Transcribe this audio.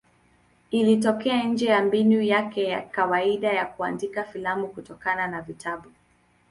Ilitoka nje ya mbinu yake ya kawaida ya kuandika filamu kutokana na vitabu.